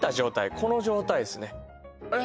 この状態ですねええ